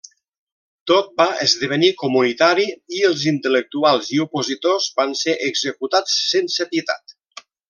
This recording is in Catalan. Tot va esdevenir comunitari i els intel·lectuals i opositors van ser executats sense pietat.